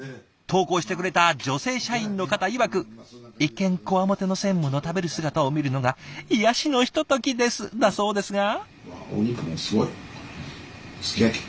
投稿してくれた女性社員の方いわく「一見コワモテの専務の食べる姿を見るのが癒やしのひとときです」だそうですが。